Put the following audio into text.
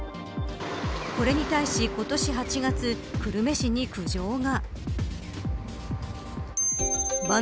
これに対し、今年８月久留米市に苦情が。